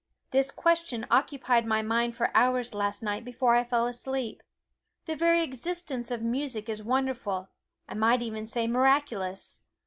This question occupied my mind for hours last night before I fell asleep. The very existence of music is wonderful, I might even say miraculous.